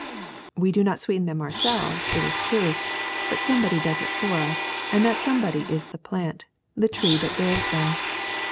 "We do not sweeten them ourselves, it is true, but somebody does it for us; and that somebody is the plant, the tree that bears them.